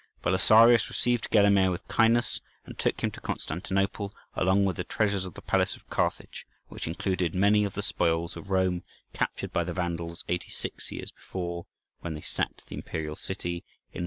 Belisarius received Gelimer with kindness, and took him to Constantinople, along with the treasures of the palace of Carthage, which included many of the spoils of Rome captured by the Vandals eighty six years before, when they sacked the imperial city, in 453.